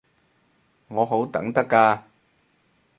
我好等得㗎